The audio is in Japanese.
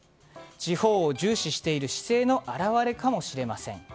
地方を重視している姿勢の表れかもしれません。